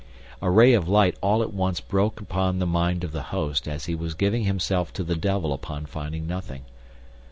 A ray of light all at once broke upon the mind of the host as he was giving himself to the devil upon finding nothing.